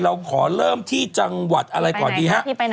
เราขอเริ่มที่จังหวัดอะไรก่อนดีฮะ